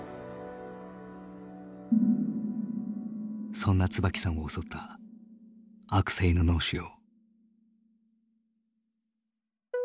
そんな椿さんを襲った悪性の脳腫瘍。